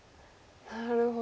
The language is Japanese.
なるほど。